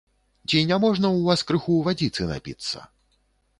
Ці не можна ў вас крыху вадзіцы напіцца?